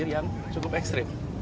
itu adalah hal yang cukup ekstrim